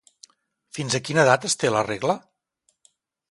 Fins a quina edat es té la regla?